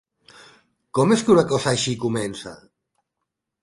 Com és que una cosa així comença?